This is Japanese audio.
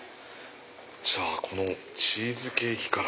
じゃあこのチーズケーキから。